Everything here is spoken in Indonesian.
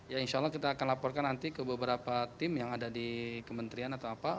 ya insya allah kita akan laporkan nanti ke beberapa tim yang ada di kementerian atau apa